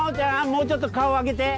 もうちょっと顔上げて。